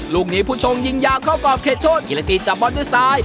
ลูกนี้ผู้ชมยิงยาเข้ากอบเคล็ดโทษกินและตีดจับบอลด้วยซ้าย